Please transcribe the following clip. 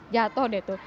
jatoh deh tuh